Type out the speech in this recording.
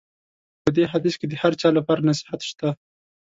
په دې حدیث کې د هر چا لپاره نصیحت شته.